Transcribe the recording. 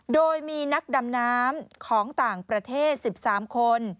โดยมีนักดำน้ำของต่างประเทศ๑๓คน